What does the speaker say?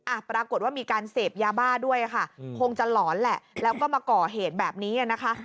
ปรากฏว่ามีการเสพยาบ้าด้วยค่ะคงจะหลอนแหละแล้วก็มาก่อเหตุแบบนี้อ่ะนะคะ